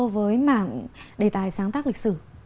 với mạng đề tài sáng tác lịch sử